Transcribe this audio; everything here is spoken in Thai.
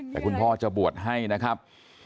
แต่คุณพ่อจะบวชให้นะครับ